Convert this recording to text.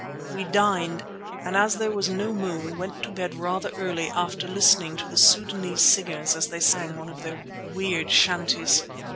We dined and as there was no moon, went to bed rather early after listening to the Sudanese singers as they sang one of their weird chanties.